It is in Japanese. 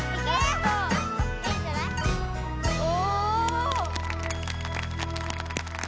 お！